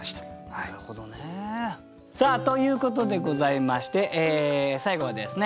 なるほどね。ということでございまして最後はですね